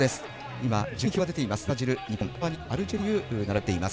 今、順位表が出ています。